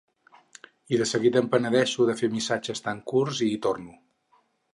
I de seguida em penedeixo de fer missatges tan curts i hi torno.